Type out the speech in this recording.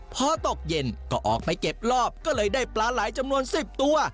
พอตกเย็นก็ออกไปเก็บรอบก็เลยได้ปลาไหลจำนวน๑๐ตัว